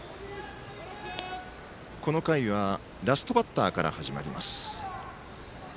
この回はラストバッターから始まります。